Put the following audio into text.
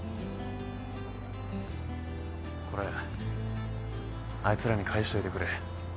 これあいつらに返しといてくれ。